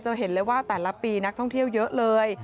เห็นเลยว่าแต่ละปีนักท่องเที่ยวเยอะเลย